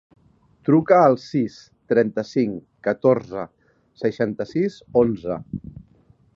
Truca al sis, trenta-cinc, catorze, seixanta-sis, onze.